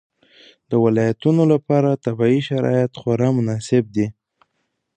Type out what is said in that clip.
د ولایتونو لپاره طبیعي شرایط خورا مناسب دي.